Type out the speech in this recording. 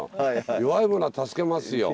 弱い者は助けますよ。